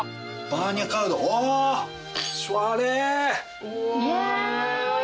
バーニャカウダうわ！